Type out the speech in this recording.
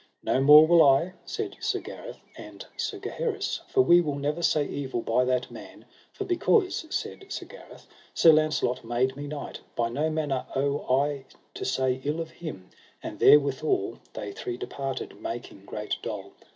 No more will I, said Sir Gareth and Sir Gaheris, for we will never say evil by that man; for because, said Sir Gareth, Sir Launcelot made me knight, by no manner owe I to say ill of him: and therewithal they three departed, making great dole.